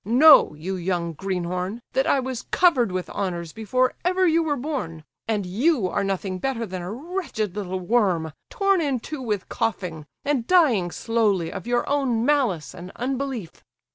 Know, you young greenhorn, that I was covered with honours before ever you were born; and you are nothing better than a wretched little worm, torn in two with coughing, and dying slowly of your own malice and unbelief.